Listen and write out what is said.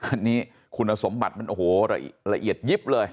อันนี้คุณสมบัติมันโอ้โหละเอียดยิบเลย